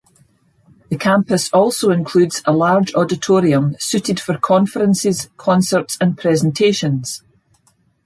The campus also includes a large auditorium suited for conferences, concerts and presentations.